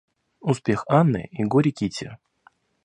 Успех Анны и горе Кити.